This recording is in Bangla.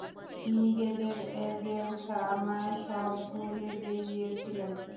মি গেজের এজেণ্ট আমায় সব ভুল নির্দেশ দিয়েছিলেন।